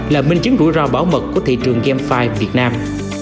là minh chứng rủi ro báo mật của thị trường game file việt nam